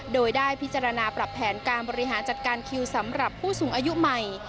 โดยได้พิจารณาปรับแผนการบริหารจัดการคิวสำหรับผู้สูงอายุใหม่